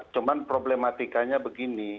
cuman problematikanya begini